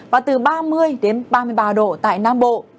và từ ba mươi đến ba mươi ba độ tại nam bộ